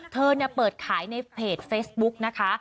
เธอเปิดขายในเพจเฟซบุ๊กนะคะ